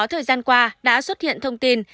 thời gian qua đã xuất hiện thông tin